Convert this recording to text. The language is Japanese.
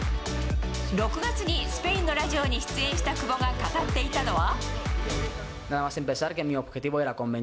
６月にスペインのラジオに出演した久保が語っていたのは。